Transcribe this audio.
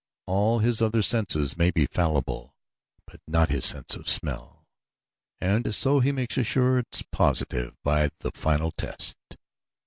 All his other senses may be fallible, but not his sense of smell, and so he makes assurance positive by the final test.